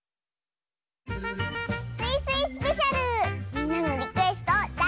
みんなのリクエストをだ